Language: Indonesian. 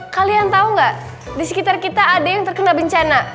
kalian tau gak disekitar kita ada yang terkena bencana